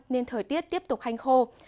nên thời tiết tiếp tục hành khô